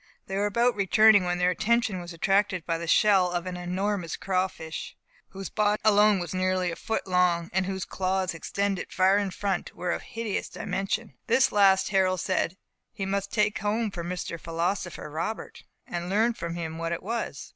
They were about returning, when their attention was attracted by the shell of an enormous crawfish, whose body alone was nearly a foot long, and whose claws, extending far in front, were of hideous dimensions. This last Harold said he must take home for "Mr. Philosopher Robert," and learn from him what it was.